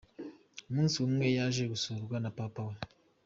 Umunsi umwe yaje gusurwa na papa we.